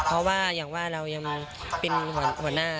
เพราะว่าอย่างว่าเรายังเป็นหัวหน้า